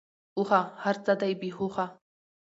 اوښه ! هرڅه دی بی هوښه .